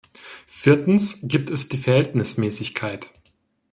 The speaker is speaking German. Viertens gibt es die Verhältnismäßigkeit.